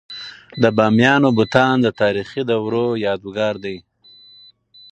د بامیانو بتان د تاریخي دورو یادګار دی.